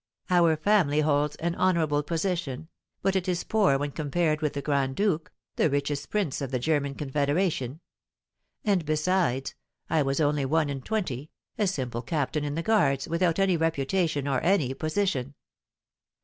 Our family holds an honourable position, but it is poor when compared with the grand duke, the richest prince of the German confederation; and besides, I was only one and twenty, a simple captain in the guards, without any reputation or any position.